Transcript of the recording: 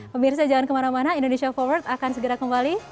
pemirsa jangan kemana mana indonesia forward akan segera kembali